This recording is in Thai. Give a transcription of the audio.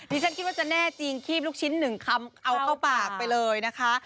ฉันคิดว่าจะแน่จริงคีบลูกชิ้น๑คำเอาเข้าปากไปเลยนะคะ